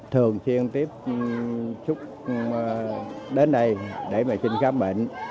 thường chuyên tiếp chút đến đây để mà xin khám bệnh